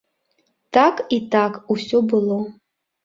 Так і так усе было.